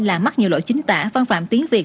là mắc nhiều lỗi chính tả văn phạm tiếng việt